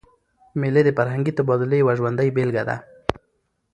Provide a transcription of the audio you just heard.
مېلې د فرهنګي تبادلې یوه ژوندۍ بېلګه ده.